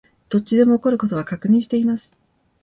どっちでも起こる事は確認しています